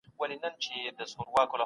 پاک رسول ستایلې ده